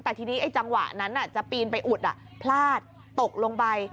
แต่ทีนี้ไอ้จังหวะนั้นจะปีนไปอุดพลาดตกลงไป